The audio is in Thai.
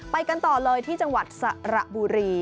ไปกันต่อเลยที่จังหวัดสระบุรี